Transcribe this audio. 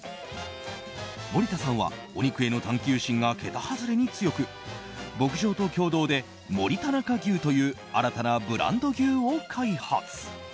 森田さんはお肉への探究心が桁外れに強く牧場と共同でもりたなか牛という新たなブランド牛を開発。